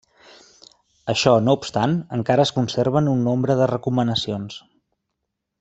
Això no obstant, encara es conserven un nombre de recomanacions.